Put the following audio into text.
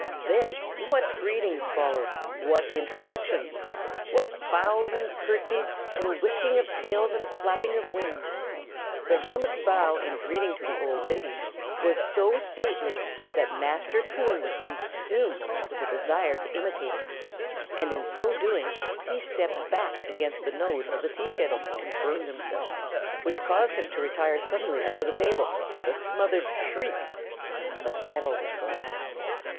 Then, what greetings followed! What introductions! What bows and courtesies, and whisking of tails and flapping of wings! The hermit's bow in greeting to the old lady was so stately that Master Coon was consumed with a desire to imitate it; and in so doing, he stepped back against the nose of the tea kettle and burned himself, which caused him to retire suddenly under the table with a smothered shriek. (But the kettle was glad.)